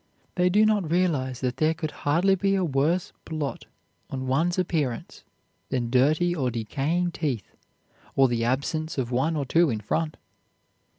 They do not realize that there could hardly be a worse blot on one's appearance than dirty or decaying teeth, or the absence of one or two in front.